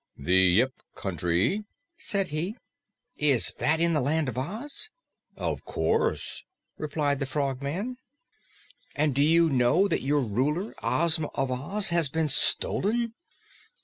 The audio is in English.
"The Yip Country," said he. "Is that in the Land of Oz?" "Of course," replied the Frogman. "And do you know that your Ruler, Ozma of Oz, has been stolen?"